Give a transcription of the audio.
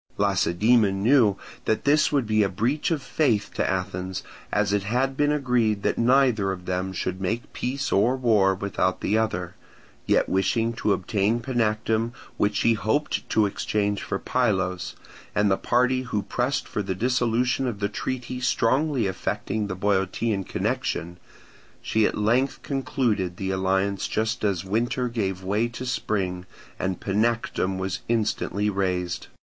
Lacedaemon knew that this would be a breach of faith to Athens, as it had been agreed that neither of them should make peace or war without the other; yet wishing to obtain Panactum which she hoped to exchange for Pylos, and the party who pressed for the dissolution of the treaty strongly affecting the Boeotian connection, she at length concluded the alliance just as winter gave way to spring; and Panactum was instantly razed.